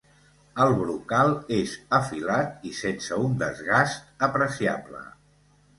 El brocal és afilat i sense un desgast apreciable.